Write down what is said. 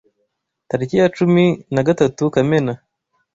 Tariki ya cumi nagatatu Kamena: